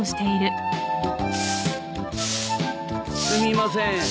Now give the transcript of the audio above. すみません。